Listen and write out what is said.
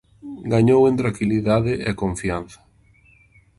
Gañou en tranquilidade e confianza.